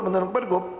menurut per gub